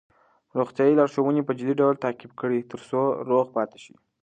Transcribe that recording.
روغتیايي لارښوونې په جدي ډول تعقیب کړئ ترڅو روغ پاتې شئ.